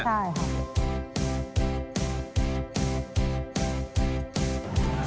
ใช่ค่ะ